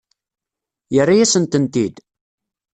Yerra-yasen-tent-id?